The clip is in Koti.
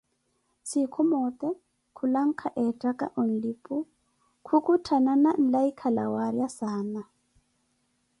Siku moote kulanka ettaka onlipu, khukutthanana nlaika la waara saana